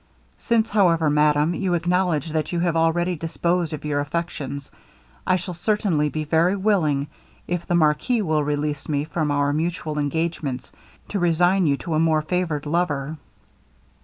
Since, however, madam, you acknowledge that you have already disposed of your affections, I shall certainly be very willing, if the marquis will release me from our mutual engagements, to resign you to a more favored lover.'